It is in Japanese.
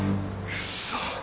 クソ。